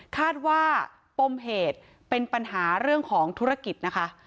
คาดว่าปมเหตุเป็นปัญหาเรื่องของธุรกิจนะคะ